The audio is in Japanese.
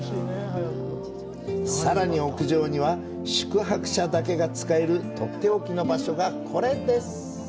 さらに屋上には、宿泊者だけが使えるとっておきの場所がこれです。